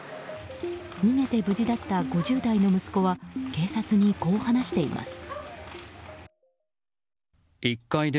逃げて無事だった５０代の息子は警察にこう話しています。